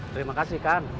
terima kasih kan